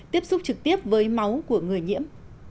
tiếp xúc trực tiếp với máu của người nhiễm